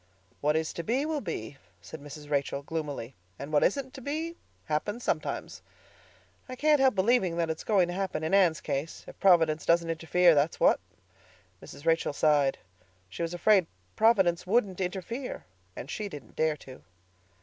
"What is to be, will be," said Mrs. Rachel gloomily, "and what isn't to be happens sometimes. I can't help believing it's going to happen in Anne's case, if Providence doesn't interfere, that's what." Mrs. Rachel sighed. She was afraid Providence wouldn't interfere; and she didn't dare to.